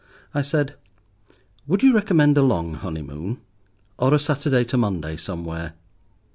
I said, "Would you recommend a long honeymoon, or a Saturday to Monday somewhere?"